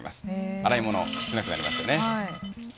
洗い物、少なくなりますよね。